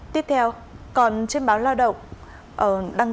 tiếp theo còn trên báo lao động